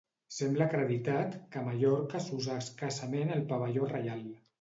Sembla acreditat que a Mallorca s'usà escassament el Pavelló Reial.